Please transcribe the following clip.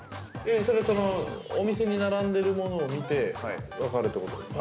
それはお店に並んでいるものを見て分かるということですか。